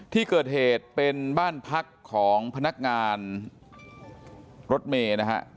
ที่เกิดเหตุเป็นบ้านพักของพนักงานรถเมย์นะฮะ